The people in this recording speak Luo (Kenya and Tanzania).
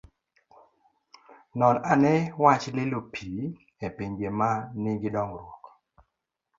Non ane wach lilo pi e pinje ma nigi dongruok.